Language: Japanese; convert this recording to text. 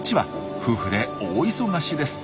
夫婦で大忙しです。